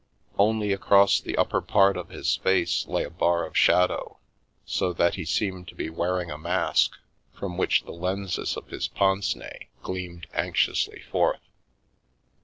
Only across the upper part of his face lay a bar of shadow, so that he seemed to be wearing a mask, from which the lenses of his pince nez gleamed anxiously forth.